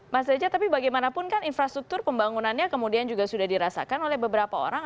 mas reza tapi bagaimanapun kan infrastruktur pembangunannya kemudian juga sudah dirasakan oleh beberapa orang